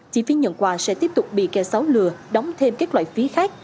chi phí nhận quà sẽ tiếp tục bị kẻ xấu lừa đóng thêm các loại phí khác